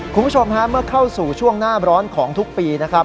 คุณผู้ชมฮะเมื่อเข้าสู่ช่วงหน้าร้อนของทุกปีนะครับ